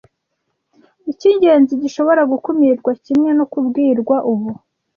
icy'ingenzi gishobora gukumirwa kimwe no kubwirwa ubu